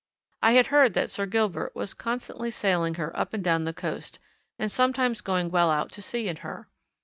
I had heard that Sir Gilbert was constantly sailing her up and down the coast, and sometimes going well out to sea in her.